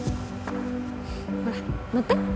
ほら、乗って。